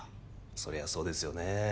そりゃそうですよね。